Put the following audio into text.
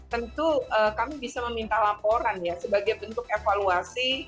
tentu kami bisa meminta laporan ya sebagai bentuk evaluasi